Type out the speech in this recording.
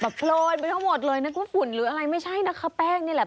โพลนไปทั้งหมดเลยนึกว่าฝุ่นหรืออะไรไม่ใช่นะคะแป้งนี่แหละ